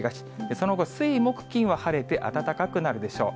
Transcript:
その後、水、木、金は晴れて暖かくなるでしょう。